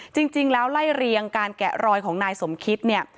จริงแล้วไล่เรียงการแกะรอยของนายสมคิตเนี่ย